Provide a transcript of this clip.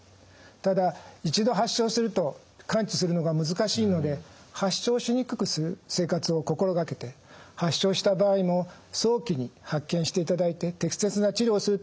ただ一度発症すると完治するのが難しいので発症しにくくする生活を心掛けて発症した場合も早期に発見していただいて適切な治療をする。